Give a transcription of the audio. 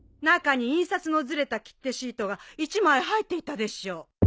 中に印刷のずれた切手シートが１枚入っていたでしょう？